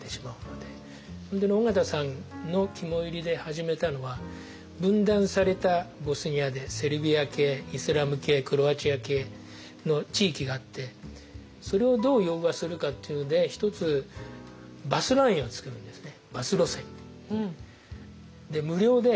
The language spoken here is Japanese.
本当に緒方さんの肝煎りで始めたのは分断されたボスニアでセルビア系イスラム系クロアチア系の地域があってそれをどう融和するかっていうので一つ全部白で「ＵＮＨＣＲ」って書いてあるんですよね。